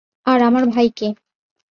আর আমার ভাইকে।